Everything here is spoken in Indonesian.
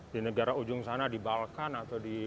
di negara ujung sana di balkan atau di